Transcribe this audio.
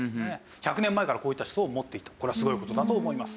１００年前からこういった思想を持っていたこれはすごい事だと思います。